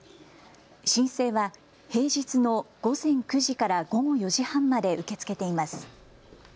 申請は平日の午前９時から午後４時半まで受け付けています。